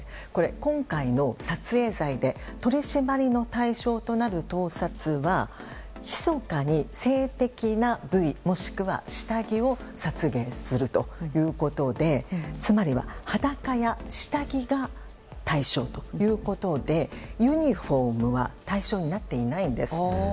今回の撮影罪で取り締まりの対象となる盗撮はひそかに性的な部位もしくは下着を撮影するということでつまりは、裸や下着が対象ということで、ユニホームは対象になっていないんです。